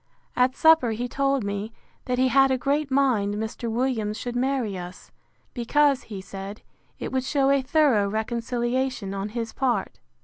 At supper he told me, that he had a great mind Mr. Williams should marry us; because, he said, it would shew a thorough reconciliation on his part.